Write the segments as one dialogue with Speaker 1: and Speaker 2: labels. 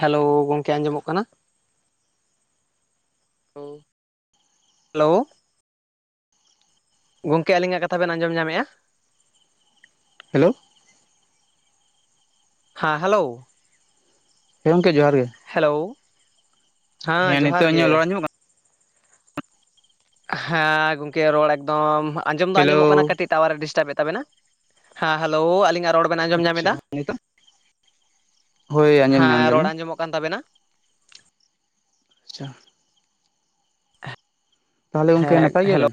Speaker 1: Hello ᱜᱚᱝᱠᱮ ᱟᱸᱡᱚᱢᱚᱜ ᱠᱟᱱᱟ?
Speaker 2: ᱦᱳᱭ ᱾
Speaker 1: ᱦᱮᱞᱳ ᱾ ᱜᱚᱝᱠᱮ ᱟᱹᱞᱤᱧᱟᱜ ᱠᱟᱛᱷᱟ ᱵᱮᱱ ᱟᱸᱡᱚᱢ ᱧᱟᱢ ᱮᱜᱼᱟ?
Speaker 2: ᱦᱮᱞᱳ ᱾
Speaker 1: ᱦᱟᱸ ᱦᱮᱞᱳᱣ ᱾
Speaker 2: ᱦᱮ ᱜᱚᱝᱠᱮ ᱡᱚᱦᱟᱨ ᱜᱮ,
Speaker 1: ᱦᱮᱞᱳ
Speaker 2: ᱦᱮᱸ
Speaker 1: ᱡᱚᱦᱟᱨ
Speaker 2: ᱱᱤᱛᱚᱜ
Speaker 1: ᱜᱮ
Speaker 2: ᱤᱧᱟᱹᱜ ᱞᱚᱲᱟ ᱧᱚᱜ ᱠᱟ
Speaker 1: ᱦᱮᱸ ᱜᱚᱝᱠᱮ ᱨᱚᱲ ᱮᱠᱫᱚᱢ ᱟᱸᱡᱚᱢ ᱫᱚ
Speaker 2: ᱦᱮᱞᱳ
Speaker 1: ᱟᱸᱡᱚᱢᱚᱜ ᱠᱟᱱᱟ ᱠᱟᱹᱴᱤᱡ ᱴᱟᱣᱟᱨ ᱮ ᱰᱤᱥᱴᱟᱣ ᱮᱫ ᱛᱟᱵᱮᱱᱟ, ᱦᱮᱸ ᱦᱮᱞᱳᱣ ᱟᱹᱞᱤᱧ ᱨᱚᱲ ᱵᱮᱱ ᱟᱸᱡᱚᱢ ᱧᱟᱢ
Speaker 2: ᱟᱪᱪᱷᱟ
Speaker 1: ᱮᱫᱟ,
Speaker 2: ᱱᱤᱛᱚᱜ ᱦᱳᱭ ᱟᱸᱡᱚᱢ ᱧᱟᱢ
Speaker 1: ᱦᱮᱸ ᱨᱚᱲ
Speaker 2: ᱫᱟᱞᱤᱧ
Speaker 1: ᱟᱸᱡᱚᱢᱚᱜ ᱠᱟᱱ ᱛᱟᱵᱮᱱᱟ ᱾
Speaker 2: [unintelligible] ᱛᱟᱦᱚᱞᱮ ᱜᱚᱝᱠᱮ
Speaker 1: ᱦᱮᱸ
Speaker 2: ᱱᱟᱯᱟᱭ ᱜᱮᱭᱟ
Speaker 1: ᱦᱮᱞᱳ
Speaker 2: ᱵᱮᱱ?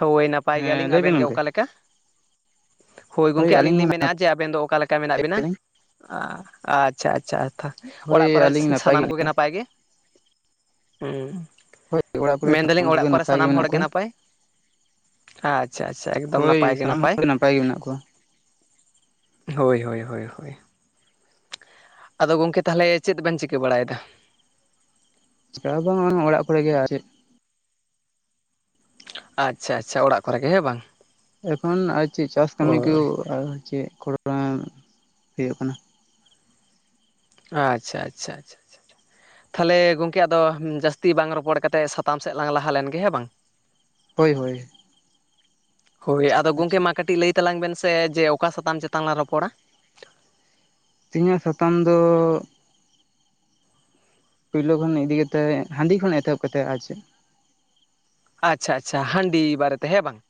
Speaker 1: ᱦᱳᱭ, ᱱᱟᱯᱟᱭ ᱜᱮᱭᱟᱞᱤᱧ ᱾ ᱟᱵᱮᱱ ᱜᱮ
Speaker 2: ᱜᱚᱝᱠᱮ
Speaker 1: ᱚᱠᱟ ᱞᱮᱠᱟ? ᱦᱳᱭ ᱜᱚᱝᱠᱮ ᱟᱹᱞᱤᱧ ᱞᱤᱧ ᱢᱮᱱᱮᱜᱼᱟ ᱡᱮ ᱟᱵᱮᱱ ᱫᱚ ᱚᱠᱟ ᱞᱮᱠᱟ ᱢᱮᱱᱟᱜ ᱵᱮᱱᱟ?
Speaker 2: ᱜᱮᱭᱟᱞᱤᱧ
Speaker 1: ᱟ ᱟᱪᱪᱷᱟ ᱟᱪᱪᱷᱟ ᱛᱷᱟ
Speaker 2: ᱦᱳᱭ
Speaker 1: ᱚᱲᱟᱜ ᱠᱚᱨᱮ
Speaker 2: ᱟᱹᱞᱤᱧ ᱱᱟᱯᱟᱭ
Speaker 1: ᱥᱟᱱᱟᱢ ᱠᱩᱜᱮ
Speaker 2: ᱜᱮᱭᱟᱞᱤᱧ
Speaker 1: ᱱᱟᱯᱟᱭ ᱜᱮ? ᱦᱩᱸ,
Speaker 2: ᱦᱳᱭ ᱚᱲᱟᱜ ᱠᱚᱨᱮ ᱥᱟᱱᱟᱢ
Speaker 1: ᱢᱮᱱᱫᱟᱞᱤᱧ
Speaker 2: ᱠᱚᱜᱮ
Speaker 1: ᱚᱲᱟᱜ ᱠᱚᱨᱮ
Speaker 2: ᱱᱟᱯᱟᱭ
Speaker 1: ᱥᱟᱱᱟᱢ ᱦᱚᱲ
Speaker 2: ᱢᱮᱱᱟᱜ
Speaker 1: ᱜᱮ
Speaker 2: ᱠᱚᱣᱟ
Speaker 1: ᱱᱟᱯᱟᱭ? ᱟ-ᱪᱷᱟ ᱟᱪᱷᱟ ᱮᱠᱫᱚᱢ
Speaker 2: ᱦᱳᱭ
Speaker 1: ᱱᱟᱯᱟᱭ ᱜᱮ
Speaker 2: ᱥᱟᱱᱟᱢ ᱦᱚᱲ
Speaker 1: ᱱᱟᱯᱟᱭ ᱾
Speaker 2: ᱜᱮ ᱢᱮᱱᱟᱜ ᱠᱚᱣᱟ
Speaker 1: ᱦᱳᱭ, ᱦᱳᱭ, ᱦᱳᱭ, ᱦᱳᱭ ᱾ ᱟᱫᱚ ᱜᱚᱝᱠᱮ ᱛᱟᱦᱟᱞᱮ ᱪᱮᱫ ᱵᱮᱱ ᱪᱤᱠᱟᱹ ᱵᱟᱲᱟᱭ ᱫᱟ?
Speaker 2: ᱪᱮ ᱦᱚ ᱵᱟᱝ ᱚᱱ ᱚᱲᱟᱜ ᱠᱚᱨᱮ ᱜᱮ ᱟᱨᱮ
Speaker 1: ᱟᱪᱪᱷᱟᱼᱟᱪᱪᱷᱟ, ᱚᱲᱟᱜ ᱠᱚᱨᱮᱜᱮ ᱦᱮ ᱵᱟᱝ?
Speaker 2: ᱮᱠᱷᱚᱱ ᱟ ᱪᱮ ᱪᱟᱥ ᱠᱟᱹᱢᱤ ᱠᱩ
Speaker 1: ᱦᱳᱭ
Speaker 2: ᱚ ᱪᱮᱜ ᱠᱷᱚ [inaudible] ᱦᱩᱭᱩᱜ ᱠᱟᱱᱟ ᱾
Speaker 1: ᱟᱪᱪᱷᱟ, ᱟᱪᱪᱷᱟ, ᱟᱪᱪᱷᱟ -ᱪᱷᱟ-ᱪᱷᱟ ᱛᱷᱟᱞᱮ ᱜᱚᱝᱠᱮ ᱟᱫᱚ ᱡᱟᱹᱥᱛᱤ ᱵᱟᱝ ᱨᱚᱯᱚᱲ ᱠᱟᱛᱮᱜ ᱥᱟᱛᱟᱢ ᱥᱮᱫ ᱞᱟᱝ ᱞᱟᱦᱟ ᱞᱮᱱᱜᱮ ᱾ ᱦᱮᱸ ᱵᱟᱝ? [unintelligible]
Speaker 2: ᱦᱳᱭ ᱦᱳᱭ ᱾
Speaker 1: ᱦᱳᱭ ᱟᱫᱚ ᱜᱚᱝᱠᱮ ᱢᱟ ᱠᱟᱹᱴᱤᱡ ᱞᱟᱹᱭ ᱛᱟᱞᱟᱝ ᱵᱮᱱ ᱥᱮ ᱡᱮ ᱚᱠᱟ ᱥᱟᱛᱟᱢ ᱪᱮᱛᱟᱱ ᱞᱟᱝ ᱨᱚᱯᱚᱲᱟ?
Speaker 2: ᱛᱮᱦᱤᱧᱟᱜ ᱥᱟᱛᱟᱢ ᱫᱚ ᱯᱩᱭᱞᱳ ᱠᱷᱚᱱ ᱤᱫᱤ ᱠᱟᱛᱮᱜ, ᱦᱟᱺᱰᱤ ᱠᱷᱚᱱ ᱮᱛᱚᱦᱚᱵ ᱠᱟᱛᱮᱜ ᱟ ᱪᱮ
Speaker 1: ᱟᱪᱪᱷᱟ ᱟᱪᱪᱷᱟ ᱾ ᱦᱟᱺᱰᱤ ᱵᱟᱨᱮ ᱛᱮ, ᱦᱮᱸ ᱵᱟᱝ?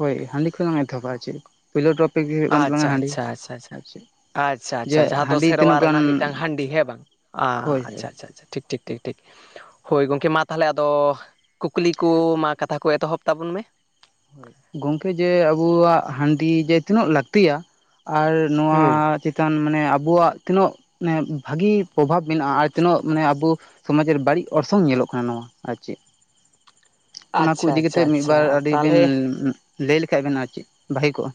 Speaker 2: ᱦᱳᱭ, ᱦᱟᱺᱰᱤ ᱠᱷᱚᱸᱞᱟᱝ ᱮᱛᱚᱦᱚᱵᱟ ᱟᱨ ᱪᱮ ᱯᱳᱭᱞᱳ ᱴᱚᱯᱤᱠ ᱜᱮ ᱦᱩᱭᱩᱜ ᱠᱟᱱ
Speaker 1: ᱟᱪᱪᱷᱟ
Speaker 2: ᱛᱟᱞᱟᱝᱟ ᱦᱟᱺᱰᱤ
Speaker 1: ᱟᱪᱪᱷᱟ ᱟᱪᱪᱷᱟ
Speaker 2: ᱾
Speaker 1: ᱟᱪᱪᱷᱟ
Speaker 2: ᱟᱨ ᱪᱮ
Speaker 1: ᱟᱪᱪᱷᱟ, ᱟᱪᱪᱷᱟ ᱾ ᱡᱟᱦᱟᱸ ᱫᱚ ᱥᱮᱨᱣᱟ ᱨᱮᱱᱟᱜ ᱢᱤᱫᱴᱟᱝ ᱦᱟᱺᱰᱤ ᱦᱮᱸ ᱵᱟᱝ? ᱟᱸ
Speaker 2: ᱦᱳᱭ ᱦᱳᱭ
Speaker 1: ᱟᱪᱪᱷᱟ ᱟᱪᱪᱷᱟ ᱟᱪᱪᱷᱟ ᱴᱷᱤᱠ ᱴᱷᱤᱠ ᱾ ᱴᱷᱤᱠ ᱴᱷᱤᱠ ᱾ ᱦᱳᱭ ᱜᱚᱝᱠᱮ ᱢᱟ ᱛᱟᱦᱟᱞᱮ ᱟᱫᱚ ᱠᱩᱠᱞᱤ ᱠᱚ ᱢᱟ ᱠᱟᱛᱷᱟ ᱠᱚ ᱮᱛᱚᱦᱚᱵ ᱛᱟᱵᱚᱱ ᱢᱮ ᱾
Speaker 2: ᱦᱩᱸ ᱜᱚᱝᱠᱮ ᱡᱮ ᱟᱵᱩᱣᱟᱜ ᱦᱟᱺᱰᱤ ᱡᱮ ᱛᱤᱱᱟᱹᱜ ᱞᱟᱹᱠᱛᱤᱭᱟ ᱟᱨ ᱱᱚᱣᱟ
Speaker 1: ᱦᱩᱸ
Speaker 2: ᱪᱤ ᱛᱟᱱ ᱢᱟᱱᱮ ᱟᱵᱚᱣᱟᱜ ᱛᱤᱱᱟᱹᱜ ᱢᱟᱱᱮ ᱵᱷᱟᱹᱜᱤ ᱯᱨᱚᱵᱷᱟᱵ ᱢᱮᱱᱟᱜᱼᱟ ᱟᱨ ᱛᱤᱱᱟᱹᱜ ᱢᱟᱱᱮ ᱟᱵᱚ ᱥᱚᱢᱟᱡ ᱨᱮ ᱵᱟᱹᱲᱤᱡ ᱚᱨᱥᱚᱝ ᱧᱮᱞᱚᱜ ᱠᱟᱱᱟ ᱱᱚᱣᱟ ᱟᱨ ᱪᱮᱫ
Speaker 1: [unintelligible]
Speaker 2: ᱚᱱᱟ ᱠᱚ
Speaker 1: ᱟᱪᱪᱷᱟ
Speaker 2: ᱤᱫᱤ
Speaker 1: ᱟᱪᱪᱷᱟ
Speaker 2: ᱠᱟᱛᱮᱫ ᱢᱤᱫ
Speaker 1: ᱟᱪᱪᱷᱟ
Speaker 2: ᱵᱟᱨ ᱟᱹᱰᱤᱵᱤᱱ
Speaker 1: ᱛᱟᱦᱚᱞᱮ
Speaker 2: ᱞᱟᱹᱭ ᱞᱮᱠᱷᱟᱭ ᱵᱮᱱ ᱟᱨ ᱪᱮᱫ ᱵᱷᱟᱹᱜᱮ ᱠᱚᱜᱼᱟ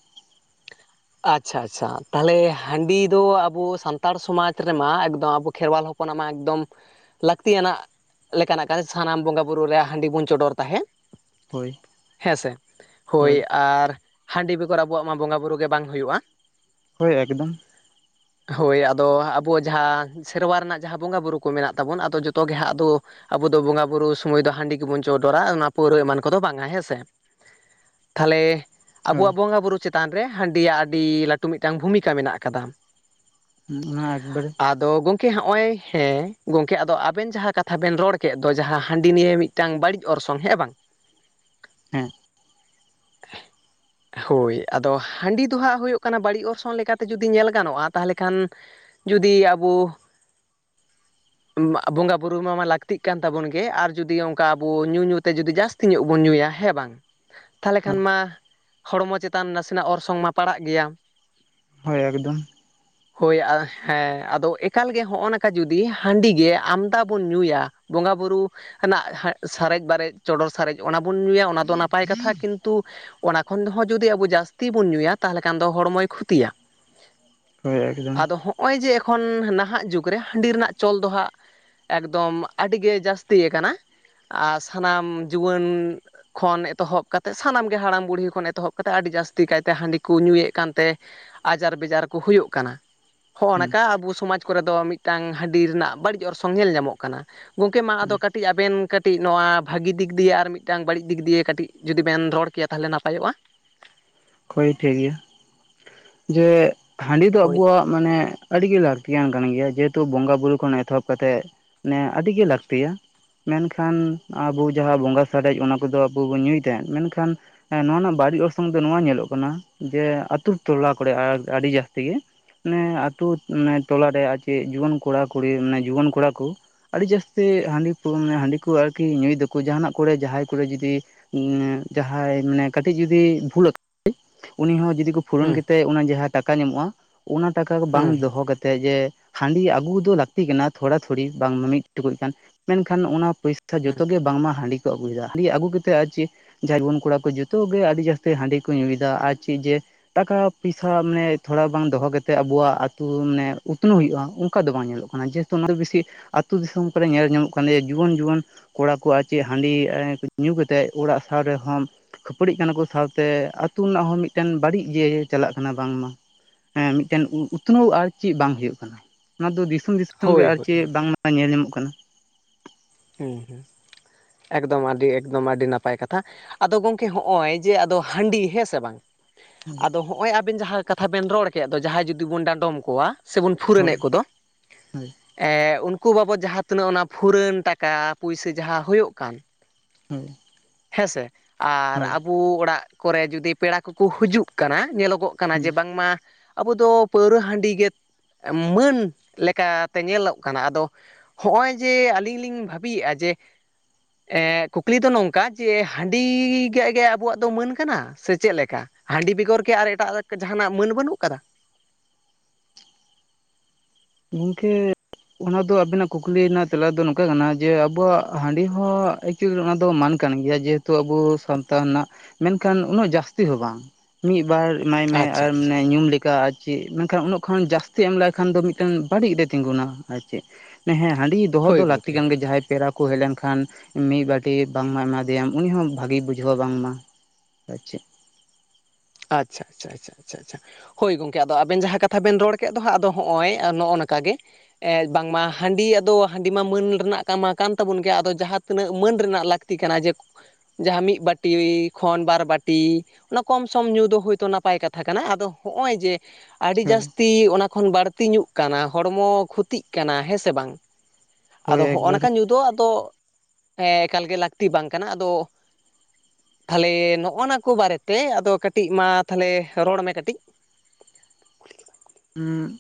Speaker 1: ᱟᱪᱪᱷᱟ ᱟᱪᱪᱷᱟ ᱛᱟᱦᱚᱞᱮ ᱦᱟᱺᱰᱤ ᱫᱚ ᱟᱵᱚ ᱥᱟᱱᱛᱟᱲ ᱥᱚᱢᱟᱡᱽ ᱨᱮᱢᱟ ᱮᱠᱫᱚᱢ ᱟᱵᱚ ᱠᱷᱮᱨᱣᱟᱞ ᱦᱚ [inaudible] ᱦᱚᱯᱚᱱ ᱢᱟ ᱮᱠᱫᱚᱢ ᱞᱟᱹᱠᱛᱤ ᱟᱱᱟᱜ ᱞᱮᱠᱟᱱᱟᱜ ᱠᱟ ᱥᱟᱱᱟᱢ ᱵᱚᱸᱜᱟᱼᱵᱩᱨᱩ ᱨᱮ ᱦᱟᱺᱰᱤ ᱵᱚᱱ ᱪᱚᱰᱚᱨ ᱛᱟᱦᱮᱸ ᱾
Speaker 2: ᱦᱳᱭ
Speaker 1: ᱦᱮᱸᱥᱮ ᱦᱳᱭ ᱟᱨ ᱦᱟᱺᱰᱤ ᱵᱮᱜᱚᱨ ᱟᱵᱚᱣᱟᱜ ᱢᱟ ᱵᱚᱸᱜᱟ ᱵᱩᱨᱩ ᱜᱮ ᱵᱟᱝ ᱦᱩᱭᱩᱼᱟ ᱾
Speaker 2: ᱦᱳᱭ ᱮᱠᱫᱚᱢ ᱾
Speaker 1: [inaudible] ᱦᱳᱭ ᱟᱫᱚ ᱟᱵᱩ ᱡᱟᱦᱟᱸ ᱥᱮᱨᱣᱟ ᱨᱮᱱᱟᱜ ᱡᱟᱦᱟᱸ ᱵᱚᱸᱜᱟᱼᱵᱩᱨᱩ ᱠᱚ ᱢᱮᱱᱟᱜ ᱛᱟᱵᱚᱱ ᱟᱫᱚ ᱡᱚᱛᱚ ᱜᱮ ᱦᱟᱸᱜ ᱟᱫᱚ ᱟᱵᱚ ᱫᱚ ᱵᱚᱸᱜᱟ ᱵᱩᱨᱩ ᱥᱚᱢᱚᱭ ᱫᱚ ᱦᱟᱺᱰᱤ ᱜᱮᱵᱚᱱ ᱪᱚᱸᱰᱚᱨᱟ ᱚᱱᱟ ᱯᱟᱹᱣᱨᱟᱹ ᱮᱢᱟᱱ ᱠᱚᱫᱚ ᱵᱟᱝᱼᱟ ᱦᱮᱸᱥᱮ ᱛᱷᱟᱞᱮ
Speaker 2: ᱦᱳᱭ
Speaker 1: ᱟᱵᱚᱣᱟᱜ ᱵᱚᱸᱜᱟ ᱵᱩᱨᱩ ᱪᱮᱛᱟᱱ ᱨᱮ ᱦᱟᱺᱰᱤ ᱟᱜ ᱞᱟᱹᱴᱩ ᱢᱤᱫᱴᱟᱝ ᱵᱷᱩᱢᱤᱠᱟ ᱢᱮᱱᱟᱜ ᱟᱠᱟᱫᱟ
Speaker 2: ᱚᱱᱟ ᱮᱠᱵᱟᱨᱮ
Speaker 1: ᱟᱫᱚ ᱜᱚᱢᱠᱮ ᱦᱚᱜᱼᱚᱭ ᱦᱮᱸ ᱜᱚᱢᱠᱮ ᱟᱫᱚ ᱟᱵᱮᱱ ᱡᱟᱦᱟᱸ ᱠᱟᱛᱷᱟ ᱵᱮᱱ ᱨᱚᱲ ᱠᱮᱫ ᱫᱚ ᱡᱟᱦᱟᱸ ᱦᱟᱺᱰᱤ ᱱᱤᱭᱮ ᱢᱤ ᱴᱟᱝ ᱵᱟᱹᱲᱤᱡ ᱚᱨᱥᱚᱝ ᱦᱮᱸ ᱵᱟᱝ
Speaker 2: ᱦᱮᱸ
Speaker 1: ᱦᱳᱭ ᱟᱫᱚ ᱦᱟᱺᱰᱤ ᱫᱚ ᱦᱟᱸᱜ ᱦᱩᱭᱩᱜ ᱠᱟᱱᱟ ᱵᱟᱹᱲᱤᱡ ᱚᱨᱥᱚᱝ ᱞᱮᱠᱟᱛᱮ ᱡᱩᱫᱤ ᱧᱮᱞ ᱜᱟᱱᱚᱜᱼᱟ ᱛᱟᱦᱚᱞᱮ ᱠᱷᱟᱱ ᱡᱩᱫᱤ ᱟᱵᱚ ᱵᱚᱸᱜᱟ ᱵᱩᱨᱩ ᱱᱚᱣᱟ ᱢᱟ ᱞᱟᱹᱠᱛᱤᱜ ᱠᱟᱱ ᱛᱟᱵᱚᱱ ᱜᱮ ᱟᱨ ᱡᱩᱫᱤ ᱚᱝᱠᱟ ᱟᱵᱚ ᱧᱩ ᱧᱩ ᱛᱮ ᱡᱩᱫᱤ ᱡᱟᱥ ᱛᱤᱧᱚᱜ ᱵᱚᱱ ᱧᱩᱭᱟ ᱦᱮᱸ ᱵᱟᱝ ᱛᱷᱟᱞᱮ ᱠᱷᱟᱱ ᱢᱟ ᱦᱚᱲᱢᱚ ᱪᱮᱛᱟᱱ ᱱᱟᱥᱮᱱᱟᱜ ᱚᱨᱥᱚᱝ ᱢᱟ ᱯᱟᱲᱟᱜ ᱜᱮᱭᱟ᱾
Speaker 2: ᱦᱳᱭ ᱮᱠᱫᱚᱢ
Speaker 1: [inaudible] ᱦᱳᱭ ᱦᱮᱸ ᱟᱫᱚ ᱮᱠᱟᱞᱜᱮ ᱦᱚᱜᱼᱚ ᱱᱚᱠᱟ ᱡᱩᱫᱤ ᱦᱟᱺᱰᱤ ᱜᱮ ᱟᱢᱫᱟ ᱵᱚᱱ ᱧᱩᱭᱟ ᱵᱚᱸᱜᱟ ᱵᱩᱨᱩ ᱨᱮᱱᱟᱜ ᱥᱟᱨᱮᱡ ᱵᱟᱨᱮᱡ ᱪᱚᱸᱰᱚᱨ ᱥᱟᱨᱮᱡ ᱚᱱᱟ ᱵᱚᱱ ᱧᱩᱭᱟ ᱚᱱᱟ ᱫᱚ ᱱᱟᱯᱟᱭ ᱠᱟᱛᱷᱟ ᱠᱤᱱᱛᱩ ᱚᱱᱟ ᱠᱷᱚᱱ ᱦᱚᱸ ᱡᱩᱫᱤ ᱟᱵᱚ ᱡᱟᱹᱥᱛᱤ ᱵᱚᱱ ᱧᱩᱭᱟ ᱛᱟᱦᱚᱞᱮ ᱠᱷᱟᱱ ᱫᱚ ᱦᱚᱲᱢᱚᱭ ᱠᱷᱚᱛᱤᱭᱟ
Speaker 2: ᱦᱳᱭ ᱮᱠᱫᱚᱢ
Speaker 1: ᱟᱫᱚ ᱦᱚ ᱦᱚᱜᱼᱚᱭ ᱡᱮ ᱮᱠᱷᱚᱱ ᱱᱟᱦᱟᱜ ᱡᱩᱜᱽ ᱨᱮ ᱦᱟᱺᱰᱤ ᱨᱮᱱᱟᱜ ᱪᱚᱞ ᱫᱚ ᱦᱟᱸᱜ ᱮᱠᱫᱚᱢ ᱟᱹᱰᱤᱜᱮ ᱡᱟᱹᱥᱛᱤ ᱟᱨ ᱥᱟᱱᱟᱢ ᱡᱩᱣᱟᱹᱱ ᱠᱷᱚᱱ ᱮᱛᱚᱦᱚᱵ ᱠᱟᱛᱮᱜ ᱥᱟᱱᱟᱢᱜᱮ ᱦᱟᱲᱟᱢ ᱵᱩᱲᱦᱤ ᱠᱷᱚᱱ ᱮᱛᱚᱦᱚᱵ ᱠᱟᱛᱮᱜ ᱟᱹᱰᱤ ᱡᱟᱥ ᱛᱤ ᱠᱟᱭᱛᱮ ᱦᱟᱺᱰᱤ ᱠᱚ ᱧᱩᱭᱮᱫ ᱠᱟᱱᱛᱮ ᱟᱡᱟᱨ ᱵᱮᱡᱟᱨ ᱠᱚ ᱦᱩᱭᱩᱜ ᱠᱟᱱᱟ ᱦᱚᱸ ᱚᱝᱠᱟ ᱟᱵᱚ ᱥᱚᱢᱟᱡᱽ ᱠᱚᱨᱮ ᱫᱚ ᱢᱤᱫᱴᱟᱱ ᱦᱟᱺᱰᱤ ᱨᱮᱱᱟᱜ ᱵᱟᱹᱲᱤᱡ ᱚᱨᱥᱚᱝ ᱧᱮᱞ ᱧᱟᱢᱚᱜ ᱠᱟᱱᱟ ᱜᱚᱝᱠᱮ ᱢᱟ ᱟᱫᱚ [inaudible] ᱠᱟᱹᱴᱤᱡ ᱟᱵᱮᱱ ᱠᱟᱹᱴᱤᱡ ᱱᱚᱣᱟ ᱵᱷᱟᱹᱜᱤ ᱫᱤᱠ ᱫᱤᱭᱮ ᱟᱨ ᱢᱤᱫᱴᱟᱝ ᱵᱟᱹᱲᱤᱡ ᱫᱤᱠ ᱫᱤᱭᱮ ᱠᱟᱹᱴᱤᱡ ᱡᱩᱫᱤ ᱵᱮᱱ ᱨᱚᱲ ᱠᱮᱭᱟ ᱛᱟᱦᱚᱞᱮ ᱱᱟᱯᱟᱭᱚᱜᱼᱟ
Speaker 2: ᱦᱳᱭ ᱴᱷᱤᱠ ᱜᱮᱭᱟ ᱡᱮ ᱦᱟᱺᱰᱤ ᱫᱚ
Speaker 1: ᱦᱳᱭ
Speaker 2: ᱟᱵᱚᱣᱟᱜ ᱢᱟᱱᱮ ᱟᱹᱰᱤᱜᱮ ᱞᱟᱹᱠᱛᱤᱭᱟᱱ ᱠᱟᱱ ᱜᱮᱭᱟ ᱡᱮᱦᱮᱛᱩ ᱵᱚᱸᱜᱟ ᱵᱩᱨᱩ ᱠᱷᱚᱱ ᱮᱛᱚᱦᱚᱵ ᱠᱟᱛᱮᱫ ᱢᱟᱱᱮ ᱟᱹᱰᱤ ᱜᱮ ᱞᱟᱹᱠᱛᱤᱭᱟ ᱢᱮᱱᱠᱷᱟᱱ ᱟᱵᱚ ᱡᱟᱦᱟᱸ ᱵᱚᱸᱜᱟ ᱥᱟᱨᱮᱡ ᱚᱱᱟ ᱠᱚᱫᱚ ᱟᱵᱚ ᱵᱚᱱ ᱧᱩᱭ ᱛᱟᱦᱮᱸᱫ ᱢᱮᱱᱠᱷᱟᱱ ᱱᱚᱣᱟ ᱨᱮᱱᱟᱜ ᱵᱟᱹᱲᱤᱡ ᱚᱨᱥᱚᱝ ᱫᱚ ᱱᱚᱣᱟ ᱧᱮᱞᱚᱜ ᱠᱟᱱᱟ ᱡᱮ ᱟᱹᱛᱩ ᱴᱚᱞᱟ ᱠᱚᱨᱮ ᱟᱹᱰᱤ ᱡᱟᱹᱥᱛᱤ ᱜᱮ ᱱᱮ ᱟᱛᱩ ᱮ ᱴᱚᱞᱟᱮ ᱟᱨ ᱪᱮᱫ ᱡᱩᱣᱟᱹᱱ ᱠᱚᱲᱟ ᱠᱩᱲᱤ ᱢᱟᱱᱮ ᱡᱩᱣᱟᱹᱱ ᱠᱚᱲᱟ ᱠᱚ ᱟᱹᱰᱤ ᱡᱟᱹᱥᱛᱤ ᱦᱟᱺᱰᱤ [inaudible] ᱦᱟᱺᱰᱤ ᱠᱚ ᱟᱨᱠᱤ ᱧᱩᱭ ᱫᱟᱠᱚ ᱡᱟᱦᱟᱱᱟᱜ ᱠᱚᱨᱮ ᱡᱟᱦᱟᱸᱭ ᱠᱚᱨᱮ ᱡᱩᱫᱤ ᱡᱟᱦᱟᱸᱭ ᱢᱟᱱᱮ ᱠᱟᱹᱴᱤᱡ ᱡᱩᱫᱤ ᱵᱷᱩᱞ ᱩᱱᱤ ᱦᱚᱸ ᱡᱩᱫᱤ ᱠᱚ ᱯᱷᱩᱨᱚᱱ ᱠᱟ
Speaker 1: ᱦᱩᱸ
Speaker 2: ᱠᱟᱛᱮᱫ ᱚᱱᱟ ᱡᱟᱦᱟᱸ ᱴᱟᱠᱟ ᱧᱟᱢᱚᱜᱼᱟ ᱚᱱᱟ ᱴᱟᱠᱟ ᱵᱟᱝ
Speaker 1: ᱦᱩᱸ
Speaker 2: ᱫᱚᱦᱚ ᱠᱟᱛᱮᱫ ᱡᱮ ᱦᱟᱺᱰᱤ ᱟᱹᱜᱩ ᱫᱚ ᱞᱟᱹᱠᱛᱤ ᱠᱟᱱᱟ ᱛᱷᱚᱲᱟ ᱛᱷᱚᱲᱤ ᱵᱟᱝ ᱢᱤᱫ ᱴᱩᱠᱩᱡ ᱢᱮᱱᱠᱷᱟᱱ ᱚᱱᱟ ᱯᱚᱭᱥᱟ
Speaker 1: ᱦᱩᱸ
Speaker 2: ᱡᱚᱛᱚ ᱜᱮ ᱵᱟᱝᱢᱟ ᱦᱟᱺᱰᱤ ᱠᱚ ᱟᱹᱩᱭᱮᱫᱟ ᱦᱟᱺᱰᱤ ᱟᱹᱜᱩ ᱠᱟᱛᱮᱫ ᱟᱨ ᱪᱮᱫ ᱡᱟᱭ ᱡᱩᱣᱟᱹᱱ ᱠᱚᱲᱟ ᱠᱚ ᱡᱚᱛᱚ ᱜᱮ ᱟᱹᱰᱤ ᱡᱟᱹᱥᱛᱤ ᱦᱟᱺᱰᱤ ᱠᱚ ᱧᱩᱭᱮᱫᱟ ᱟᱨ ᱪᱮᱫ ᱡᱮ ᱴᱟᱠᱟ ᱯᱚᱭᱥᱟ ᱢᱟᱱᱮ ᱛᱷᱚᱲᱟ ᱵᱟᱝ ᱫᱚᱦᱚ ᱠᱟᱛᱮᱫ ᱟᱵᱚᱣᱟᱜ ᱢᱟᱱᱮ ᱩᱛᱱᱟᱹᱣ ᱦᱩᱭᱩᱜᱼᱟ, ᱩᱱ ᱚᱠᱟ ᱫᱚ ᱵᱟᱝ ᱧᱮᱞᱚᱜ ᱠᱟᱱᱟ ᱡᱮᱦᱮᱛᱩ ᱚᱱᱟ ᱫᱚ ᱵᱮᱥᱤ ᱟᱹᱛᱩ ᱫᱤᱥᱚᱢ ᱠᱚᱨᱮ ᱧᱮᱞ ᱧᱟᱢᱚᱜ ᱠᱟᱱᱭᱟ ᱡᱩᱣᱟᱹᱱ ᱡᱩᱣᱟᱹᱱ ᱠᱚᱲᱟ ᱠᱚᱣᱟᱜ ᱪᱮᱫ ᱦᱟᱺᱰᱤ ᱧᱩ ᱠᱟᱛᱮᱫ ᱚᱲᱟᱜ ᱥᱟᱶ ᱨᱮᱦᱚᱸ ᱠᱷᱟᱹᱯᱟᱹᱲᱤᱜ ᱠᱟᱱᱟ ᱠᱚ ᱥᱟᱶᱛᱮ ᱟᱹᱛᱩ ᱨᱮᱱᱟᱜ ᱦᱚᱸ ᱢᱤᱫᱴᱮᱱ ᱵᱟᱹᱲᱤᱡ ᱜᱮ ᱪᱟᱞᱟᱜ ᱠᱟᱱᱟ ᱵᱟᱝᱢᱟ ᱮᱸ ᱢᱤᱫᱴᱮᱱ ᱩᱛᱱᱟᱹᱣ ᱟᱨ ᱪᱮᱫ ᱵᱟᱝ ᱦᱳᱭᱜ ᱠᱟᱱᱟ᱾ ᱱᱚᱣᱟ ᱫᱚ ᱫᱤᱥᱚᱢ ᱫᱤᱥᱚᱢ ᱜᱮ
Speaker 1: ᱦᱳᱭ
Speaker 2: ᱟᱨ
Speaker 1: ᱦᱳᱭ
Speaker 2: ᱪᱮᱫ
Speaker 1: ᱦᱳᱭ
Speaker 2: ᱵᱟᱝᱢᱟ ᱧᱮᱞ ᱧᱟᱢᱚᱜ ᱠᱟᱱᱟ
Speaker 1: ᱦᱮᱸ ᱦᱮᱸ ᱮᱠᱫᱚᱢ ᱟᱹᱰᱤ ᱮᱠᱫᱚᱢ ᱟᱹᱰᱤ ᱱᱟᱯᱟᱭ ᱠᱟᱛᱷᱟ ᱟᱫᱚ ᱜᱚᱝᱠᱮ ᱦᱚᱜᱼᱚᱭ ᱡᱮ ᱟᱫᱚ ᱦᱟᱺᱰᱤ ᱦᱮᱸ ᱥᱮ ᱵᱟᱝ ᱟᱫᱚ ᱦᱚᱸᱜᱼᱚᱭ ᱟᱵᱮᱱ ᱡᱟᱦᱟᱸ ᱠᱟᱛᱷᱟ ᱵᱮᱱ ᱨᱚᱲ ᱠᱮᱫ ᱫᱚ ᱡᱟᱦᱟᱸᱭ ᱡᱩᱫᱤ ᱵᱚᱱ ᱰᱟᱸᱰᱚᱢ ᱠᱚᱣᱟ ᱥᱮᱵᱚᱱ ᱯᱷᱩᱨᱟᱹᱱᱮᱫ
Speaker 2: ᱦᱳᱭ
Speaker 1: ᱠᱚᱫᱚ
Speaker 2: ᱦᱳᱭ
Speaker 1: ᱮ ᱩᱱᱠᱩ ᱵᱟᱵᱚᱫ ᱡᱟᱦᱟᱸ ᱛᱤᱱᱟᱹᱜ ᱚᱱᱟ ᱯᱷᱩᱨᱟᱹᱱ ᱴᱟᱠᱟ ᱴᱟᱠᱟ ᱯᱩᱭᱥᱟᱹ ᱡᱟᱦᱟᱸ ᱦᱩᱭᱩᱜ ᱠᱟᱱ
Speaker 2: ᱦᱮᱸᱻ
Speaker 1: ᱦᱮᱸᱥᱮ ᱟᱨ ᱟᱵᱚ ᱚᱲᱟᱜ ᱠᱚᱨᱮ ᱡᱩᱫᱤ ᱯᱮᱲᱟ ᱠᱚᱠᱩ ᱦᱤᱡᱩᱜ ᱠᱟᱱᱟ ᱧᱮᱞᱚᱜᱚᱜ ᱠᱟᱱᱟ ᱠᱟᱱᱟ
Speaker 2: ᱦᱩᱸ
Speaker 1: ᱡᱮ ᱵᱟᱝᱢᱟ ᱟᱵᱩ ᱫᱚ ᱯᱟᱹᱣᱨᱟᱹ ᱦᱟᱺᱰᱤ ᱜᱮ ᱢᱟᱹᱱ ᱞᱮᱠᱟᱛᱮ ᱧᱮᱞᱚᱜ ᱠᱟᱱᱟ ᱟᱫᱚ ᱦᱚᱜ-ᱚᱭ ᱡᱮ ᱟᱞᱤᱧ ᱞᱤᱧ ᱵᱷᱟᱹᱵᱤᱭᱮᱫᱼᱟ ᱡᱮ ᱮ ᱠᱩᱠᱞᱤ ᱫᱚ ᱱᱚᱝ ᱠᱟ ᱡᱮ ᱦᱟᱺᱰᱤ ᱜᱮ ᱟᱵᱚᱣᱟᱜ ᱫᱚ ᱢᱟᱹᱱ ᱠᱟᱱᱟ? ᱥᱮ ᱪᱮᱫ ᱞᱮᱠᱟ ᱦᱟᱺᱰᱤ ᱵᱮᱜᱚᱨ ᱠᱤ ᱟᱨ ᱮᱴᱟᱜ ᱡᱟᱦᱟᱱᱟᱜ ᱢᱟᱹᱱ ᱵᱟᱹᱱᱩᱜ ᱠᱟᱫᱟ?
Speaker 2: ᱜᱝᱠᱮ ᱚᱱᱟ ᱫᱚ ᱟᱵᱤᱱᱟᱜ ᱠᱩᱠᱞᱤ ᱨᱮᱱᱟᱜ ᱛᱮᱞᱟ ᱫᱚ ᱱᱚᱝᱠᱟ ᱠᱟᱱᱟ ᱡᱮ ᱟᱵᱚᱣᱟᱜ ᱦᱟᱺᱰᱤ ᱦᱚᱸ ᱠᱤᱪᱷᱩ ᱨᱮᱦᱚ ᱫᱚ ᱢᱟᱹᱱ ᱠᱟᱱ ᱜᱮᱭᱟ ᱡᱮᱦᱮᱛᱩ ᱟᱵᱚ ᱥᱟᱱᱛ ᱨᱮᱱᱟᱜ ᱢᱮᱱᱠᱷᱟᱱ ᱩᱱᱟᱹᱜ ᱡᱟᱹᱥᱛᱤ ᱦᱚᱸ ᱵᱟᱝ ᱢᱤᱫᱵᱟᱨ ᱮᱢᱟᱭ ᱢᱮ
Speaker 1: ᱟᱪᱪᱷᱟ
Speaker 2: ᱟᱨ
Speaker 1: ᱟᱪᱪᱷᱟ
Speaker 2: ᱢᱟᱱᱮ ᱧᱩᱢ ᱞᱮᱠᱟ ᱟᱨ ᱪᱮᱫ ᱢᱮᱱᱠᱷᱟᱱ ᱩᱱᱟᱹᱜ ᱠᱷᱚᱱ ᱡᱟᱹᱥᱛᱤ ᱮᱢ ᱞᱮᱟᱭᱠᱷᱟᱱ ᱫᱚ ᱢᱤᱫ ᱴᱟᱝ ᱵᱟᱹᱲᱤᱡ ᱨᱮ ᱛᱤᱸᱜᱩᱱᱟ ᱟᱨ ᱪᱮᱫ ᱦᱮᱸ ᱦᱟᱸᱰᱤ ᱫᱚᱦᱚ
Speaker 1: ᱦᱳᱭ
Speaker 2: ᱫᱚ ᱞᱟᱹᱠᱛᱤ
Speaker 1: ᱜᱚᱢᱠᱮ
Speaker 2: ᱠᱟᱱ ᱜᱮᱭᱟ ᱯᱮᱨᱟ ᱠᱚ ᱦᱮᱡ ᱞᱮᱱᱠᱷᱟᱱ ᱢᱤᱫ ᱵᱟᱴᱤ ᱵᱟᱝᱢᱟ ᱮᱢᱟ ᱫᱮᱭᱟᱢ ᱩᱱᱤ ᱦᱚᱸ ᱵᱷᱟᱜᱮ ᱵᱩᱡᱷᱟᱹᱣ ᱵᱟᱝᱢᱟ᱾ ᱟᱨ ᱪᱮᱫ
Speaker 1: ᱟᱪᱪᱷᱟ ᱪᱷᱟ ᱪᱷᱟ ᱪᱷᱟ᱾ ᱟᱪᱪᱷᱟ ᱦᱳᱭ ᱜᱚᱝᱠᱮ ᱟᱫᱚ ᱟᱵᱮᱱ ᱡᱟᱦᱟᱸ ᱠᱟᱛᱷᱟ ᱵᱮᱱ ᱨᱚᱲ ᱠᱮᱫ ᱫᱚ ᱦᱟᱸᱜ ᱟᱫᱚ ᱦᱚᱸᱜᱼᱚᱭ ᱱᱚᱜᱼᱚ ᱱᱚᱝᱠᱟ ᱜᱮ ᱮᱸ ᱵᱟᱝᱢᱟ ᱦᱟᱺᱰᱤ ᱟᱫᱚ ᱦᱟᱺᱰᱤ ᱢᱟ ᱢᱟᱹᱱ ᱨᱮᱱᱟᱜ ᱠᱟᱢ ᱠᱟᱱ ᱛᱟᱵᱚᱱ ᱜᱮᱭᱟ ᱟᱫᱚ ᱡᱟᱦᱟᱸ ᱛᱤᱱᱟᱹᱜ ᱢᱟᱹᱱ ᱨᱮᱱᱟᱜ ᱞᱟᱠ ᱞᱟᱹᱠᱛᱤ ᱠᱟᱱᱟ ᱡᱮ ᱡᱟᱦᱟᱸ ᱢᱤᱫ ᱵᱟᱴᱤ ᱠᱷᱚᱱ ᱵᱟᱨ ᱵᱟᱴᱤ ᱚᱱᱟ ᱠᱚᱢ ᱠᱚᱢ ᱧᱩ ᱫᱚ ᱦᱭᱛᱳ ᱱᱟᱯᱟᱭ ᱠᱟᱛᱷᱟ ᱠᱟᱱᱟ, ᱟᱫᱚ ᱱᱚᱜᱚᱭ ᱡᱮ ᱟᱹᱰᱤ
Speaker 2: ᱦᱳᱭ
Speaker 1: ᱡᱟᱹᱥᱛᱤ ᱠᱷᱚᱱ ᱵᱟᱹᱲᱛᱤ ᱧᱩᱜ ᱠᱟᱱᱟ ᱦᱚᱲᱢᱚ ᱠᱷᱩᱚᱛᱤᱜ ᱠᱟᱱᱟ ᱦᱮᱸᱥᱮ ᱵᱟᱝ?
Speaker 2: ᱦᱳᱭ
Speaker 1: ᱟᱫᱚ ᱦᱚᱜ-ᱠᱟ
Speaker 2: ᱮᱠᱵᱟᱨᱮ
Speaker 1: ᱧᱩ ᱧᱩ ᱟᱫᱚ ᱮᱠᱟᱞ ᱜᱮ ᱞᱟᱹᱠᱛᱤ ᱵᱟᱝ ᱠᱟᱱᱟ, ᱟᱫᱚ ᱛᱷᱟᱞᱮ ᱱᱚᱜ-ᱚ ᱱᱟ ᱠᱚ ᱵᱟᱨᱮᱛᱮ ᱟᱫᱚ ᱠᱟᱹᱴᱤᱡ ᱢᱟ ᱛᱷᱟᱞᱮ ᱨᱚᱲ ᱢᱮ ᱠᱟᱹᱴᱤᱡ
Speaker 2: ᱩᱸᱜ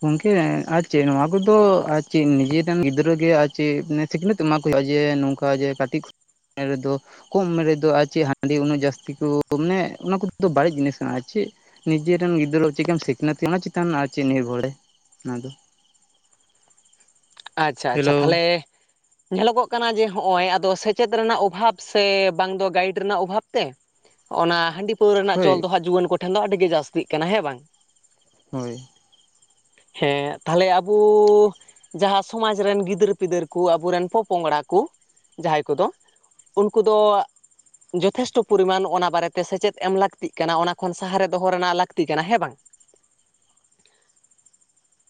Speaker 2: ᱜᱚᱝᱠᱮ ᱟᱨ ᱪᱮᱫ ᱱᱚᱣᱟ ᱠᱚᱫᱚ ᱟᱨ ᱪᱮᱫ ᱱᱤᱡᱮᱨᱮᱱ ᱜᱤᱫᱽᱨᱟᱹᱜ ᱜᱮ ᱟᱨ ᱪᱮᱫ ᱥᱤᱠᱷᱱᱟᱹᱛ ᱮᱢᱟ ᱠᱚ ᱦᱩᱭᱩᱜ-ᱟ ᱡᱮ ᱱᱚᱝᱠᱟ ᱡᱮ [inaudible] ᱨᱮᱫᱚ ᱠᱚᱢ ᱩᱢᱮᱨ ᱨᱮᱫᱚ ᱟᱨ ᱪᱮᱫ ᱦᱟᱺᱰᱤ ᱩᱱᱟᱹᱜ ᱡᱟᱹᱥᱛᱤ ᱠᱚ ᱢᱟᱱᱮ ᱚᱱᱟ ᱠᱚ ᱵᱟᱹᱲᱤᱡ ᱡᱤᱱᱤᱥ ᱠᱟᱱᱟ, ᱟᱨ ᱪᱮᱫ ᱱᱤᱡᱮᱨᱨᱮᱱ ᱜᱤᱫᱽᱨᱟᱹ ᱪᱮᱫᱮᱢ ᱥᱤᱠᱷᱱᱟᱹᱛ ᱠᱟᱱᱟ ᱪᱮᱛᱟᱱ ᱟᱨ ᱪᱮᱫ ᱱᱤᱨᱵᱷᱚᱨᱮ ᱱᱟ ᱫᱚ
Speaker 1: ᱟᱪᱪᱷᱟ ᱪᱷᱟ
Speaker 2: ᱦᱮᱞᱳ
Speaker 1: ᱛᱟᱦᱚᱞᱮ ᱧᱮᱞᱚᱜᱚᱜ ᱠᱟᱱᱟ ᱡᱮ ᱦᱚᱸᱜ-ᱚᱭ ᱟᱫᱚ ᱥᱮᱪᱮᱫ ᱨᱮᱱᱟᱜ ᱚᱵᱷᱟᱵ ᱥᱮ ᱵᱟᱝ ᱫᱚ ᱜᱟᱭᱤᱰ ᱨᱮᱱᱟᱜ ᱚᱵᱷᱟᱵ ᱛᱮ ᱚᱸᱜ-ᱱᱟ ᱦᱟᱺᱰᱤ ᱯᱟᱹᱣᱨᱟᱹ ᱨᱮᱱᱟᱜ
Speaker 2: ᱦᱳᱭ
Speaker 1: ᱪᱚᱞ ᱫᱚ ᱦᱟᱸᱜ ᱡᱩᱣᱟᱹᱱ ᱠᱚᱴᱷᱮᱱ ᱫᱚ ᱟᱹᱰᱤ ᱜᱮ ᱡᱟᱹᱥᱛᱤᱜ ᱠᱟᱱᱟ ᱦᱮᱸ ᱵᱟᱝ?
Speaker 2: ᱦᱳᱭ᱾
Speaker 1: ᱦᱮᱸ ᱛᱟᱦᱚᱞᱮ ᱟᱵᱩ ᱡᱟᱦᱟᱸ ᱥᱚᱢᱟᱡᱽ ᱨᱮᱱ ᱜᱤᱫᱟᱹᱨ ᱯᱤᱫᱟᱹᱨ ᱠᱚ ᱟᱵᱚ ᱨᱮᱱ ᱯᱚ ᱯᱚᱝᱲᱟ ᱠᱚ, ᱡᱟᱦᱟᱸᱭ ᱠᱚᱫᱚ ᱩᱞᱠᱩ ᱫᱚ ᱡᱚᱴᱷᱮᱥᱴᱚ ᱯᱚᱨᱤᱢᱟᱱ ᱚᱱᱟ ᱵᱟᱨᱮ ᱛᱮ ᱥᱮᱪᱮᱫ ᱮᱢ ᱞᱟᱹᱠᱛᱤᱜ ᱠᱟᱱᱟ ᱚᱱᱟ ᱠᱷᱚᱱ ᱥᱟᱦᱟᱨᱮ ᱫᱚᱦᱚ ᱨᱮᱱᱟᱜ ᱞᱟᱹᱠᱛᱤ ᱠᱟᱱᱟ ᱦᱮᱸ ᱵᱟᱝ?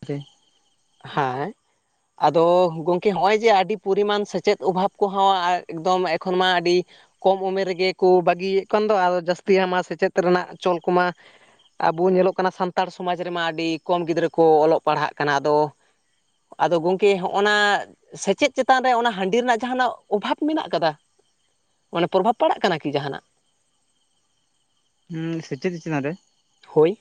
Speaker 2: ᱥᱮ
Speaker 1: ᱦᱟᱸᱭ ᱟᱫᱚ ᱜᱚᱝᱠᱮ ᱦᱚᱸᱜᱼᱚᱭ ᱡᱮ ᱟᱹᱰᱤ ᱯᱚᱨᱤᱢᱟᱱ ᱥᱮᱪᱮᱫ ᱚᱵᱷᱟᱵᱽ ᱠᱚᱦᱚᱸ ᱮᱠᱫᱚᱢ ᱮᱠᱷᱚᱱ ᱢᱟ ᱟᱹᱰᱤ ᱠᱚᱢ ᱩᱢᱮᱨ ᱨᱮᱜᱮ ᱠᱚ ᱵᱟᱹᱜᱤᱭᱮᱜ ᱠᱟᱱ ᱫᱚ ᱟᱨ ᱡᱟᱹᱥᱛᱤ ᱢᱟ ᱥᱮᱪᱮᱫ ᱨᱮᱱᱟᱜ ᱪᱚᱞ ᱠᱚᱢᱟ ᱟᱵᱚ ᱧᱮᱞᱚᱜ ᱠᱟᱱᱟ ᱥᱟᱱᱛᱟᱲ ᱥᱚᱢᱟᱡᱽ ᱨᱮᱢᱟ ᱟᱹᱰᱤ ᱠᱚᱢ ᱜᱤᱫᱽᱨᱟᱹ ᱠᱚ ᱚᱞᱚᱜ ᱯᱟᱲᱦᱟᱜ ᱠᱟᱱᱟ ᱟᱫᱚ ᱟᱫᱚ ᱜᱚᱝᱠᱮ ᱦᱚᱸᱜ ᱱᱟ ᱥᱮᱪᱮᱫ ᱪᱮᱛᱟᱱ ᱨᱮ ᱚᱱᱟ ᱦᱟᱺᱰᱤ ᱨᱮᱱᱟᱜ ᱡᱟᱦᱟᱸ ᱱᱟᱜ ᱚᱵᱷᱟᱵ ᱢᱮᱱᱟᱜ ᱠᱟᱫᱟ? ᱚᱱᱟ ᱯᱨᱚᱵᱷᱟᱵᱽ ᱯᱟᱲᱟᱜ ᱠᱟᱱᱟ ᱠᱤ ᱡᱟᱸᱦᱟᱱᱟᱜ
Speaker 2: ᱦᱩᱸ ᱥᱮᱪᱮᱫ ᱪᱮᱛᱟᱱ ᱨᱮ
Speaker 1: ᱦᱳᱭ᱾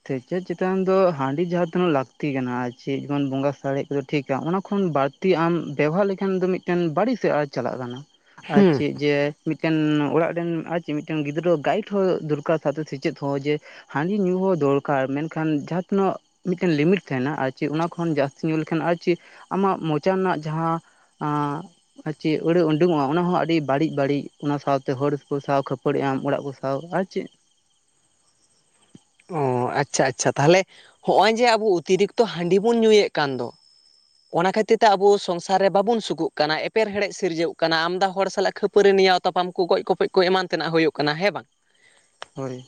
Speaker 2: [inaudible] ᱪᱮᱛᱟᱱ ᱫᱚ ᱦᱟᱺᱰᱤ ᱡᱟᱦᱟᱸ ᱛᱤᱱᱟᱹᱜ ᱞᱟᱹᱠᱛᱤ ᱠᱟᱱᱟ ᱟᱨ ᱪᱮᱫ ᱵᱚᱱ ᱵᱚᱸᱜᱟ ᱥᱟᱨᱮᱡ ᱠᱚᱫᱚ ᱴᱷᱤᱠ ᱟ ᱚᱱᱟ ᱠᱷᱚᱱ ᱵᱟᱹᱲ ᱛᱤ ᱟᱢ ᱵᱮᱵᱷᱟᱨ ᱞᱮᱠᱷᱟᱱ ᱫᱚ ᱢᱤᱫ ᱴᱮᱱ ᱵᱟᱹᱲᱤᱡ ᱥᱮᱫ ᱟᱪ ᱪᱟᱞᱟᱜ ᱠᱟᱱᱟ, ᱟᱨ
Speaker 1: ᱦᱩᱸ
Speaker 2: ᱪᱮᱫ ᱡᱮ ᱢᱤᱫᱴᱮᱱ ᱚᱲᱟᱜ ᱨᱮᱱ ᱟᱨ ᱪᱮᱫ ᱢᱤᱫᱴᱮᱱ ᱜᱤᱫᱽᱨᱟᱹ ᱜᱟᱭᱤᱰ ᱦᱚᱸ ᱫᱚᱨᱠᱟᱨ ᱥᱟᱶᱛᱮ ᱥᱮᱪᱮᱫ ᱦᱚᱸ ᱡᱮ ᱦᱟᱺᱰᱤ ᱧᱩ ᱦᱚᱸ ᱫᱚᱨᱠᱟᱨ ᱢᱮᱱ ᱠᱷᱟᱱ ᱡᱟᱦᱟᱸ ᱛᱤᱱᱟᱹᱜ ᱢᱤᱫᱴᱮᱱ ᱞᱤᱢᱤᱴ ᱛᱟᱸᱦᱮᱱᱟ ᱟᱨ ᱪᱮᱫ ᱚᱱᱟ ᱠᱷᱚᱱ ᱡᱟᱹᱥᱛᱤ ᱧᱩ ᱞᱮᱠᱷᱟᱱ ᱟᱨ ᱪᱮᱫ ᱟᱢᱟᱜ ᱢᱚᱪᱟ ᱨᱮᱱᱟᱜ ᱡᱟᱦᱟᱸ ᱟᱸ ᱟᱨ ᱪᱮᱫ ᱟᱹᱲᱟᱹ ᱩᱰᱳᱝ ᱚᱜ-ᱟ ᱚᱱᱟ ᱦᱚᱸ ᱚᱱᱟᱦᱚᱸ ᱟᱹᱰᱤ ᱵᱟᱹᱲᱤᱡ ᱵᱟᱹᱲᱤᱡ ᱚᱱᱟ ᱥᱟᱶᱛᱮ ᱦᱚᱲ ᱠᱚ ᱥᱟᱶ ᱠᱷᱟᱹᱯᱟᱹᱲᱤ ᱟᱢ ᱚᱲᱟᱜ ᱠᱚ ᱟᱣ ᱟᱨ ᱪᱮᱫ
Speaker 1: ᱚᱸ ᱟᱪᱪᱷᱟ ᱟᱪᱪᱷᱟ ᱛᱟᱦᱚᱞᱮ ᱦᱚᱸᱜᱼᱚᱭ ᱡᱮ ᱟᱵᱚ ᱩᱛᱤᱨᱤᱠᱛᱚ ᱦᱟᱺᱰᱤ ᱵᱚᱱ ᱧᱩᱭᱮᱫ ᱠᱟᱱ ᱫᱚ ᱚᱱᱟ ᱠᱷᱟᱹᱛᱤᱨ ᱛᱮ ᱟᱵᱚ ᱥᱚᱝᱥᱟᱨ ᱨᱮ ᱵᱟᱵᱚᱱ ᱥᱩᱠᱩᱜ ᱠᱟᱱᱟ ᱮᱯᱮᱨ ᱦᱮᱲᱮᱰ ᱥᱤᱨᱡᱟᱹᱜ ᱠᱟᱱᱟ ᱟᱢᱫᱟ ᱦᱚᱲ ᱥᱟᱞᱟᱜ ᱠᱷᱟᱹᱯᱟᱹ ᱠᱷᱟᱹᱯᱟᱹᱨᱤ ᱱᱮᱣᱟ ᱛᱟᱯᱟᱢ ᱠᱚ ᱜᱚᱡ ᱜᱚᱯᱚᱡ ᱠᱚ ᱮᱢᱟᱱ ᱛᱮᱱᱟᱜ ᱦᱩᱭᱩᱜ ᱠᱟᱱᱟ ᱦᱮᱸ ᱵᱟᱝ
Speaker 2: ᱦᱳᱭ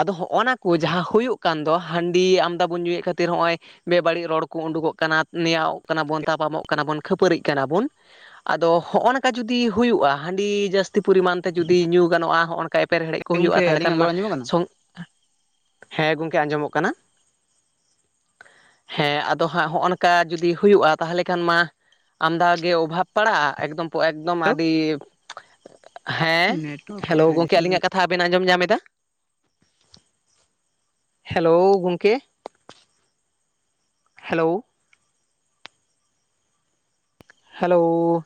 Speaker 1: ᱟᱫᱚ ᱦᱚᱸᱜᱼᱱᱟ ᱠᱚ ᱡᱟᱦᱟᱸ ᱦᱩᱭᱩᱜ ᱠᱟᱱ ᱫᱚ ᱦᱟᱺᱰᱤ ᱟᱢᱫᱟ ᱵᱚᱱ ᱧᱩᱭᱮᱫ ᱠᱷᱟᱹᱛᱤᱨ ᱦᱚᱸᱜᱼᱚᱭ ᱵᱮᱼᱵᱟᱹᱲᱤᱡ ᱨᱚᱲ ᱠᱚ ᱩᱰᱩᱠᱚᱜ ᱠᱟᱱᱟ ᱱᱮᱣᱟ ᱠᱟᱱᱟ ᱵᱚᱱ ᱛᱟᱯᱟᱢᱚᱜ ᱠᱟᱱᱟ ᱵᱚᱱ ᱠᱷᱟᱹᱯᱟᱹᱨᱤᱜ ᱠᱟᱱᱟ ᱵᱚᱱ ᱟᱫᱚ ᱦᱚᱸᱜ ᱱᱚᱝᱠᱟ ᱡᱩᱫᱤ ᱦᱩᱭᱩᱜᱼᱟ ᱦᱟᱺᱰᱤ ᱡᱟᱹᱥᱛᱤ ᱡᱟᱹᱥᱛᱤ ᱯᱚᱨᱤᱢᱟᱱ ᱛᱮ ᱡᱩᱫᱤ ᱧᱩ ᱜᱟᱱᱚᱜᱼᱟ ᱦᱚᱸᱜ ᱱᱚᱠᱟ ᱮᱯᱮᱨ ᱦᱮᱲᱮᱫ ᱠᱚ
Speaker 2: ᱜᱚᱝᱠᱮ
Speaker 1: ᱦᱩᱭᱩᱜᱼᱟ ᱛᱟᱦᱚᱞᱮ ᱠᱷᱟᱱ
Speaker 2: ᱟᱹᱞᱤᱧᱟᱜ ᱨᱚᱲ
Speaker 1: ᱢᱟ
Speaker 2: ᱟᱸᱡᱚᱢᱚᱜ ᱠᱟᱱᱟ?
Speaker 1: ᱥᱚᱝ ᱦᱮᱸ ᱜᱚᱝᱠᱮ ᱟᱸᱡᱚᱢᱚᱜ ᱠᱟᱱᱟ ᱦᱮᱸ ᱟᱫᱚ ᱦᱟᱸᱜ ᱦᱚᱸᱜ ᱱᱚᱠᱟ ᱡᱩᱫᱤ ᱦᱩᱭᱩᱜᱼᱟ ᱛᱟᱦᱚᱞᱮ ᱠᱷᱟᱱ ᱢᱟ ᱟᱢᱫᱟ ᱜᱮ ᱚᱵᱷᱟᱵ ᱯᱟᱲᱟᱜᱼᱟ ᱮᱠᱫᱚᱢ ᱮᱠᱫᱚᱢ ᱟᱹᱰᱤ ᱦᱮᱸ ᱦᱮᱞᱳ ᱜᱚᱝᱠᱮ ᱟᱹᱞᱤᱧ ᱟᱜ ᱠᱟᱛᱷᱟ ᱠᱟᱛᱷᱟ ᱵᱮᱱ ᱟᱸᱡᱚᱢ ᱧᱟᱢ ᱮᱫᱟ ᱦᱮᱞᱳ ᱜᱚᱝᱠᱮ ᱦᱮᱞᱳ ᱦᱮᱞᱳᱻ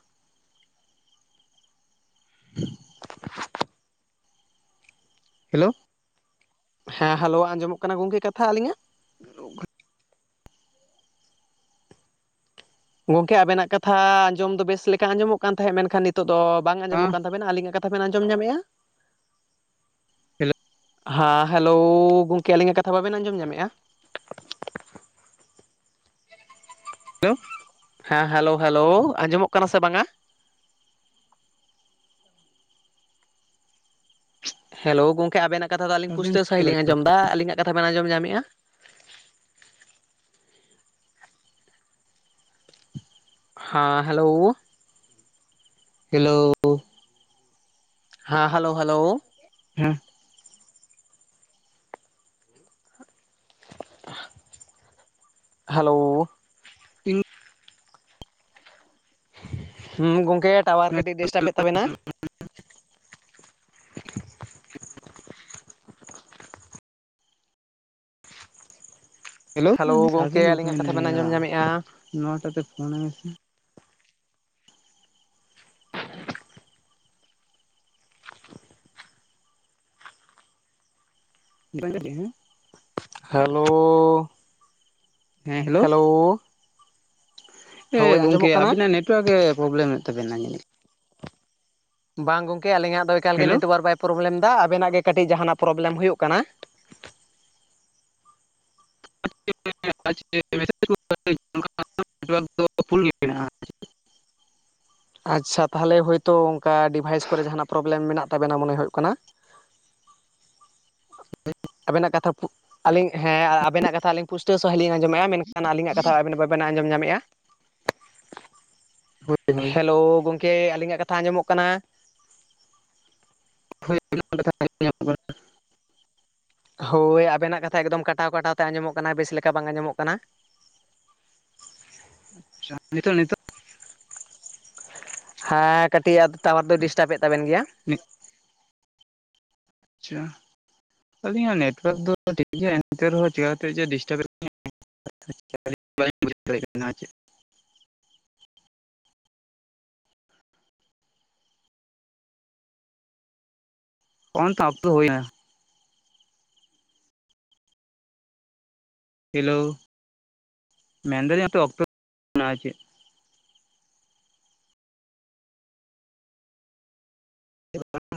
Speaker 1: [inaudible]
Speaker 2: ᱦᱮᱞᱳ
Speaker 1: ᱦᱮᱸ ᱦᱮᱞᱳ ᱟᱸᱡᱚᱢᱚᱜ ᱠᱟᱱᱟ ᱜᱚᱝᱠᱮ ᱠᱟᱛᱷᱟ ᱟᱹᱞᱤᱧᱟᱜ?
Speaker 2: [inaudible]
Speaker 1: ᱜᱚᱝᱠᱮ ᱟᱵᱮᱱᱟᱜ ᱠᱟᱛᱷᱟ ᱟᱸᱡᱚᱢ ᱫᱚ ᱵᱮᱥ ᱞᱮᱠᱟ ᱟᱸᱡᱚᱢᱚᱜ ᱠᱟᱱ ᱛᱟᱦᱮᱸᱫ ᱢᱮᱱ ᱠᱷᱟᱱ ᱱᱤᱛᱚᱜ ᱫᱚ ᱵᱟᱝ ᱟᱸᱡᱚᱢᱚᱜ ᱠᱟᱱ ᱛᱟᱵᱤᱱᱟ ᱟᱹᱞᱤᱧ ᱟᱜ ᱠᱟᱛ ᱱᱤᱛᱚᱜ ᱵᱤᱱ ᱟᱸᱡᱚᱢ ᱧᱟᱢᱮᱜᱼᱟ ᱦᱟᱸ ᱦᱮᱞᱳ ᱜᱚᱝᱠᱮ ᱟᱹᱞᱤᱧ ᱟᱜ ᱠᱟᱛᱷᱟ ᱵᱟᱵᱤᱱ ᱟᱸᱡᱚᱢ ᱧᱟᱢᱮᱫᱼᱟ
Speaker 2: [unintelligible]
Speaker 1: ᱦᱮᱸ ᱦᱮᱞᱳ ᱦᱮᱞᱳ ᱟᱸᱡᱚᱢᱚᱜ ᱠᱟᱱᱟ ᱥᱮ ᱵᱟᱝᱟ ᱦᱮᱞᱳ ᱜᱚᱢᱠᱮ᱾ ᱟᱵᱮᱱᱟᱜ ᱠᱟᱛᱷᱟ ᱫᱚ ᱟᱹᱞᱤᱧ
Speaker 2: ᱦᱮᱸ ᱤᱧ
Speaker 1: ᱯᱩᱴᱟᱹᱣ ᱥᱟᱦᱤᱸᱡ ᱞᱤᱧ ᱟᱸᱡᱚᱢ ᱫᱟ᱾ ᱟᱹᱞᱤᱧᱟᱜ ᱠᱟᱛᱷᱟ ᱵᱮᱱ ᱟᱸᱡᱚᱢ ᱧᱟᱢᱮᱫᱼᱟ? ᱦᱮᱸ, ᱦᱮᱞᱳ
Speaker 2: ᱦᱮᱞᱳ᱾
Speaker 1: ᱦᱟᱸ᱾ Hello hello.
Speaker 2: [unintelligible]
Speaker 1: ᱦᱟᱞᱳ᱾ ᱦᱩᱸ, ᱜᱚᱝᱠᱮ ᱴᱟᱣᱟᱨ ᱠᱟᱹᱴᱤᱡ ᱰᱤᱥᱴᱟᱵᱽ ᱮᱫ ᱛᱟᱵᱮᱱᱟ᱾
Speaker 2: ᱦᱮᱞᱳ,
Speaker 1: ᱜᱚᱝᱠᱮ
Speaker 2: ᱥᱟᱜᱮᱱ
Speaker 1: ᱟᱹᱞᱤᱧᱟᱜ
Speaker 2: ᱚᱠᱚᱭ
Speaker 1: ᱠᱟᱛᱷᱟ ᱵᱮᱱ
Speaker 2: ᱱᱟᱭᱭᱟ
Speaker 1: ᱟᱸᱡᱚᱢ ᱧᱟᱢᱮᱜᱼᱟ?
Speaker 2: ᱱᱚᱣᱟ ᱴᱟᱜ ᱛᱮ ᱯᱷᱳᱱ ᱟᱭ ᱢᱮᱥᱮ [unintelligible]
Speaker 1: ᱦᱟᱞᱳᱻ᱾
Speaker 2: ᱦᱮᱸ ᱦᱮᱞᱳ
Speaker 1: ᱦᱮᱞᱳᱻ᱾
Speaker 2: ᱦᱮ ᱜᱚᱝᱠᱮ
Speaker 1: ᱠᱟᱱᱟ?
Speaker 2: ᱟᱵᱤᱱᱟᱜ ᱱᱮᱴᱣᱟᱨᱠ ᱜᱮ ᱯᱨᱚᱵᱽᱞᱮᱢᱮᱫ ᱛᱟᱵᱮᱱᱟᱭ᱾
Speaker 1: ᱵᱟᱝ ᱜᱚᱝᱠᱮ ᱟᱹᱞᱤᱧᱟᱜ ᱫᱚ ᱮᱠᱟᱞ ᱜᱮ ᱵᱟᱝ
Speaker 2: ᱦᱮᱞᱳ
Speaker 1: ᱱᱮᱴᱣᱟᱨᱠ ᱵᱟᱭ ᱯᱨᱚᱵᱞᱮᱢ ᱮᱫᱟ᱾ ᱟᱵᱮᱱᱟᱜ ᱜᱮ ᱠᱟᱹᱴᱤᱡ ᱡᱟᱦᱟᱱᱟᱜ ᱯᱨᱚᱵᱞᱮᱢ ᱦᱩᱭᱩᱜ ᱠᱟᱱᱟ᱾
Speaker 2: [unintelligible] [unintelligible] ᱢᱮᱱᱟᱜᱼᱟ
Speaker 1: ᱟᱪᱷᱟ ᱛᱟᱦᱞᱮ ᱦᱳᱭᱛᱳ ᱚᱱᱠᱟ ᱰᱤᱵᱷᱟᱭᱤᱥ ᱠᱚᱨᱮ ᱡᱟᱦᱟᱱᱟᱜ ᱯᱨᱚᱵᱞᱮᱢ ᱢᱮᱱᱟᱜ ᱛᱟᱵᱮᱱᱟ, ᱢᱚᱱᱮ ᱦᱩᱭᱩᱜ ᱠᱟᱱᱟ᱾ ᱟᱵᱮᱱᱟᱜ ᱠᱟᱛᱷᱟ ᱟᱹᱞᱤᱧ ᱦᱮᱸ᱾ ᱟᱵᱮᱱᱟᱜ ᱠᱟᱛᱷᱟ ᱟᱹᱞᱤᱧ ᱯᱩᱴᱟᱹᱣ ᱥᱟᱺᱦᱤᱸᱡ ᱞᱤᱧ ᱟᱸᱡᱚᱢᱮᱫᱼᱟ, ᱢᱮᱱᱠᱷᱟᱱ ᱟᱹᱞᱤᱧᱟᱜ ᱠᱟᱛᱷᱟ ᱟᱵᱮᱱ ᱵᱟᱵᱮᱱ ᱟᱸᱡᱚᱢ ᱧᱟᱢᱮᱫᱼᱟ᱾
Speaker 2: ᱦᱳᱭ ᱦᱳᱭ
Speaker 1: ᱦᱮᱞᱳ! ᱜᱚᱝᱠᱮ ᱟᱹᱞᱤᱧᱟᱜ ᱠᱟᱛᱷᱟ ᱟᱸᱡᱚᱢᱚᱜ ᱠᱟᱱᱟ?
Speaker 2: [unintelligible]
Speaker 1: ᱦᱳᱭ ᱟᱵᱮᱱᱟᱜ ᱠᱟᱛᱷᱟ ᱮᱠᱫᱚᱢ ᱠᱟᱴᱟᱣ ᱠᱟᱴᱟᱣ ᱛᱮ ᱟᱸᱡᱚᱢᱚᱜ ᱠᱟᱱᱟ ᱵᱮᱥ ᱞᱮᱠᱟ ᱵᱟᱝ ᱟᱸᱡᱚᱢᱚᱜ ᱠᱟᱱᱟ
Speaker 2: [unintelligible] ᱱᱤᱛᱚᱜ ᱱᱤᱛᱚᱜ᱾
Speaker 1: ᱦᱮᱸ ᱠᱟᱹᱴᱤᱡ ᱟᱫᱚ ᱴᱟᱣᱟᱨ ᱫᱚᱭ ᱰᱤᱥᱴᱟᱵᱮᱫ ᱛᱟᱵᱮᱱ ᱜᱮᱭᱟ
Speaker 2: [unintelligible] ᱟᱪᱷᱟ ᱟᱹᱞᱤᱧᱟᱜ ᱱᱮᱴ ᱚᱣᱟᱨᱠ ᱫᱚ ᱴᱷᱤᱠ ᱜᱮᱭᱟ ᱮᱱᱛᱮ ᱨᱮᱦᱚᱸ ᱪᱤᱠᱟᱹ ᱠᱟᱛᱮ ᱡᱮ ᱰᱤᱥᱴᱟᱵ ᱮᱫ ᱛᱟᱞᱤᱧᱟᱭ [unintelligible] ᱚᱱᱠᱟ ᱚᱠᱛᱚ ᱦᱩᱭᱱᱟ ᱦᱮᱞᱳ ᱢᱮᱱᱫᱟᱞᱤᱧ [unintelligible] [unintelligible] [unintelligible]